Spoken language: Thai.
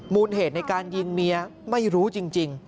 เหตุในการยิงเมียไม่รู้จริง